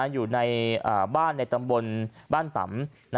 อยู่ในบ้านในตำบลบ้านตำ